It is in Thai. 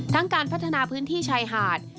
การพัฒนาพื้นที่ชายหาด